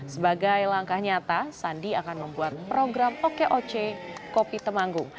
sebagai langkah nyata sandi akan membuat program okoc kopi temanggung